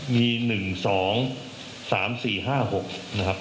มี๑๒๓๔๕๖นะครับ